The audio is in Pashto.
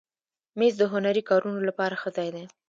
مېز د هنري کارونو لپاره ښه ځای دی.